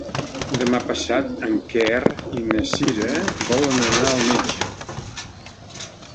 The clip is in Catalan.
Demà passat en Quer i na Cira volen anar al metge.